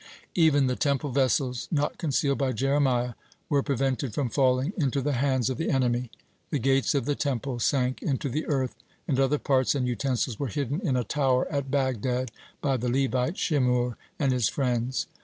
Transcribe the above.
(61) Even the Temple vessels not concealed by Jeremiah were prevented from falling into the hands of the enemy; the gates of the Temple sank into the earth, (62) and other parts and utensils were hidden in a tower at Bagdad by the Levite Shimur (63) and his friends.